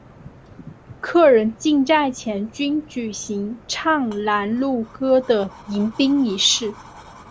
客人进寨前均举行唱拦路歌的迎宾仪式。